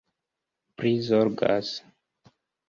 prizorgas